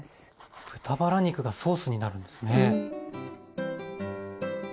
豚バラ肉がソースになるんですね。